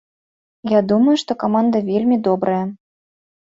Я думаю, што каманда вельмі добрая.